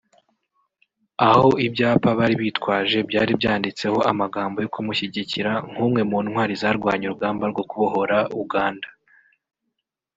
aho ibyapa bari bitwaje byari byanditseho amagambo yo kumushyigikira nk’umwe mu ntwari zarwanye urugamba rwo kubohora Uganda